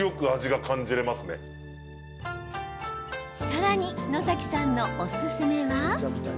さらに、野崎さんのおすすめは。